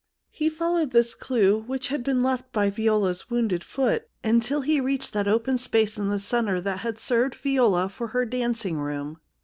He followed this clue, which had been left by Viola's wounded foot, until he reached that open space in the centre that had served Viola for her dancing room.